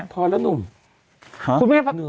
พอแล้วหนุ่มครับ